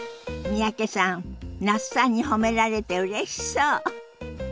三宅さん那須さんに褒められてうれしそう。